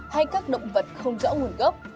hay các động vật không rõ nguồn gốc